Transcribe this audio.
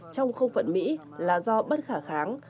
trong không phận mỹ là do bất khả kháng